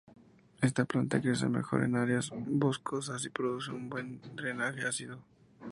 Esta planta crece mejor en áreas boscosas y produce un buen drenaje ácido.